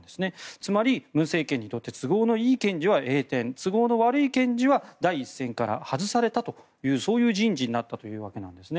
つまり、文政権にとって都合のいい検事は栄転都合の悪い検事は第一線から外されたというそういう人事になったというわけなんですね。